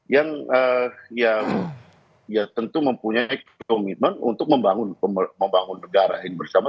yang ya tentu mempunyai komitmen untuk membangun negara ini bersama